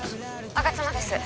吾妻です